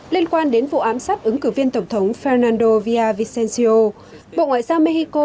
liên quan đến vụ ám sát ứng cử viên tổng thống fernando villavicencio bộ ngoại giao mexico